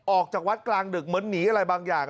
ออกจากวัดกลางดึกเหมือนหนีอะไรบางอย่าง